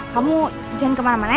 kamu jangan kemana mana